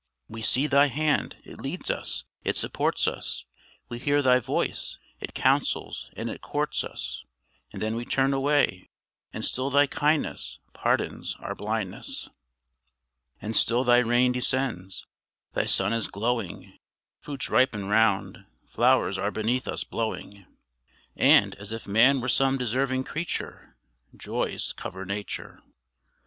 We see Thy hand it leads us, it supports us; We hear Thy voice it counsels and it courts us; And then we turn away and still thy kindness Pardons our blindness. And still Thy rain descends, Thy sun is glowing, Fruits ripen round, flowers are beneath us blowing, And, as if man were some deserving creature, Joys cover nature.